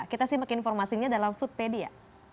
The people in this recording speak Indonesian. kita simak informasinya dalam foodpedia